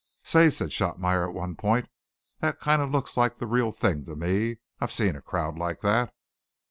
"Say," said Shotmeyer at one point, "that kind o' looks like the real thing to me. I've seen a crowd like that."